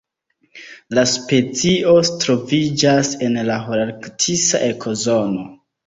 La specio troviĝas en la holarktisa ekozono.